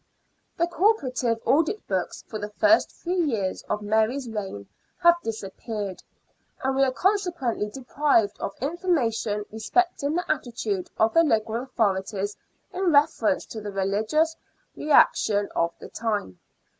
The corporate audit books for the first three years of Mary's reign have disappeared, and we are consequently deprived of information respecting the attitude of the local authorities in reference to the religious reaction of the time.